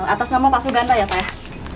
atas nama pak suganda ya pak